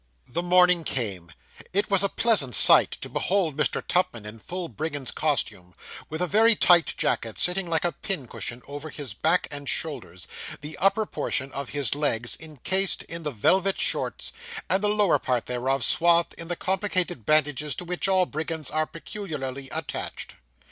The morning came: it was a pleasant sight to behold Mr. Tupman in full brigand's costume, with a very tight jacket, sitting like a pincushion over his back and shoulders, the upper portion of his legs incased in the velvet shorts, and the lower part thereof swathed in the complicated bandages to which all brigands are peculiarly attached.